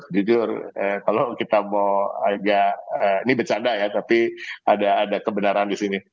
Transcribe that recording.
jujur kalau kita mau agak ini bercanda ya tapi ada kebenaran di sini